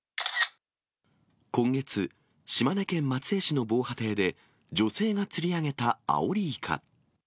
今月、島根県松江市の防波堤で、女性が釣り上げたアオリイカ。